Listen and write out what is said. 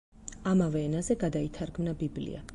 ამავე ენაზე გადაითარგმნა ბიბლია.